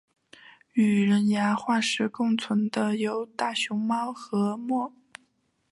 与人牙化石共存的有大熊猫和貘。